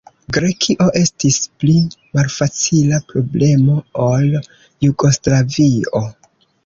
Grekio estis pli malfacila problemo ol Jugoslavio.